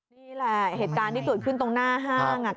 นี่แหละเหตุการณ์ที่ตรงหน้าห้าง